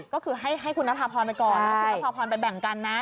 ก็คือให้คุณนภาพรไปก่อนนะคุณนภาพรไปแบ่งกันนะ